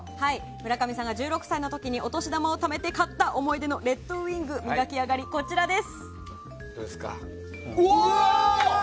村上さんが１６歳の時にお年玉をためて買った思い出のレッドウィングの磨き上がり、こちらです。